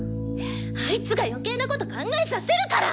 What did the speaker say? あいつが余計なこと考えさせるから！